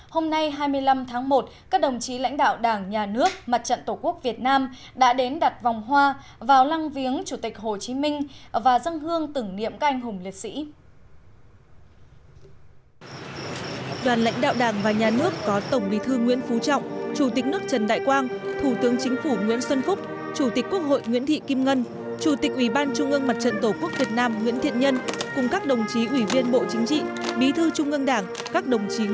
hôm nay hai mươi năm tháng một các đồng chí lãnh đạo đảng nhà nước mặt trận tổ quốc việt nam đã đến đặt vòng hoa vào lăng viếng chủ tịch hồ chí minh và dân hương tửng niệm các anh hùng liệt sĩ